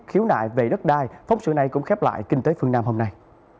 khiếu nại về đất đai phóng sự này cũng khép lại kinh tế phương nam hôm nay